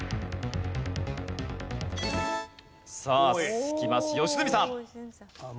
さあいきます良純さん。